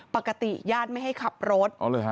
ปกติญาติไม่ให้ขับรถ